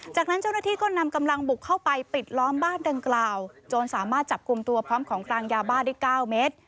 จนบ้านดังกล่าวจนสามารถจับคุมตัวพร้อมของกลางยาบ้านที่๙เมตร